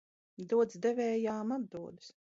Dots devējām atdodas.